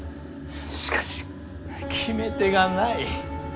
しかし決め手がない。